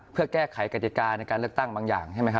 เพื่อแก้ไขการเกิดการในการเลือกตั้งบางอย่าง